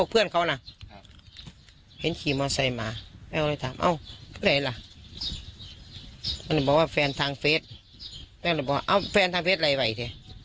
ก็ดูกันไปก่อนคบกันไปก่อนล่ะลูก